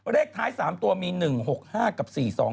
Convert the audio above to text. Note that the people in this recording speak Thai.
เลขท้าย๓ตัวมี๑๖๕กับ๔๒